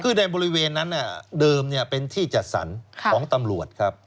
คือในบริเวณนั้นเดิมเป็นที่จัดสรรของตำรวจครับ